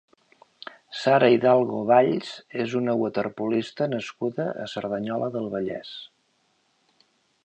Sara Hidalgo Valls és una waterpolista nascuda a Cerdanyola del Vallès.